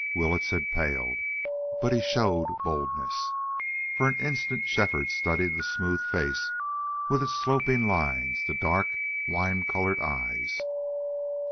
Willetts had paled, but he showed boldness. For an instant Shefford studied the smooth face, with its sloping lines, the dark, wine colored eyes.